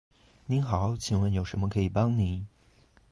您好，请问有什么可以帮您？